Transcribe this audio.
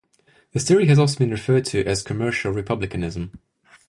This theory has also been referred to as commercial republicanism.